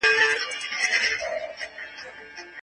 واکمن وضعیت څاري.